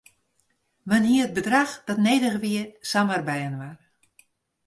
Men hie it bedrach dat nedich wie samar byinoar.